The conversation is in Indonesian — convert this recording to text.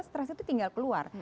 stress itu tinggal keluar